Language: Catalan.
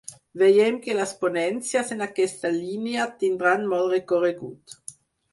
Veiem que les ponències en aquesta línia tindran molt recorregut.